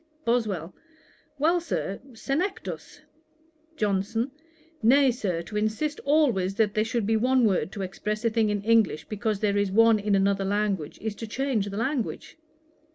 BOSWELL. 'Well, Sir, Senectus.' JOHNSON. 'Nay, Sir, to insist always that there should be one word to express a thing in English, because there is one in another language, is to change the language.'